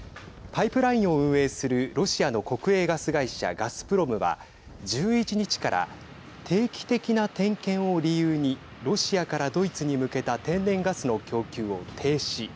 パイプラインを運営するロシアの国営ガス会社ガスプロムは１１日から定期的な点検を理由にロシアからドイツに向けた天然ガスの供給を停止。